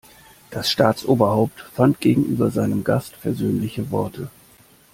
Das Staatsoberhaupt fand gegenüber seinem Gast versöhnliche Worte.